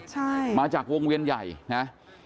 ใช่มาจากวงเวียนใหญ่นะ